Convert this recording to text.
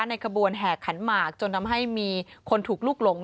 ขบวนแห่ขันหมากจนทำให้มีคนถูกลุกหลง